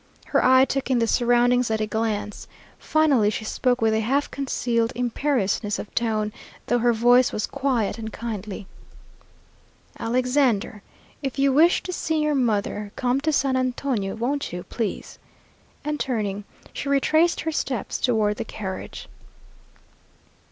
Her eye took in the surroundings at a glance. Finally she spoke with a half concealed imperiousness of tone, though her voice was quiet and kindly. "Alexander, if you wish to see your mother, come to San Antonio, won't you, please?" and turning, she retraced her steps toward the carriage.